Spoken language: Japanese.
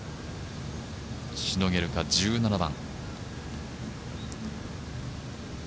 しのげるか１７番。